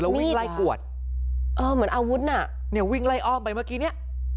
วิ่งไล่กวดเออเหมือนอาวุธน่ะเนี่ยวิ่งไล่อ้อมไปเมื่อกี้เนี้ย